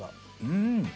うん！